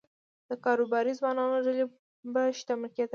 د کاروباري ځوانانو ډلې به شتمن کېدلې